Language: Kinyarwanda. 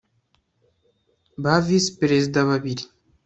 Ba Visi Perezida babiri